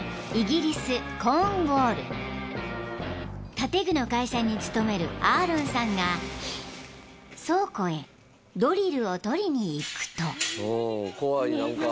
［建具の会社に勤めるアーロンさんが倉庫へドリルを取りに行くと］